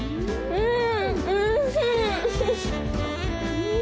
うん！